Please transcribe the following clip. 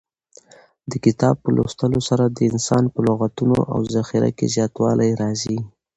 د کتاب په لوستلو سره د انسان په لغتونو او ذخیره کې زیاتوالی راځي.